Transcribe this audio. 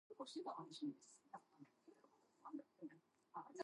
All this was done under very heavy fire.